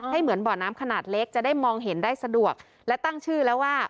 เหมือนบ่อน้ำขนาดเล็กจะได้มองเห็นได้สะดวกและตั้งชื่อแล้วว่า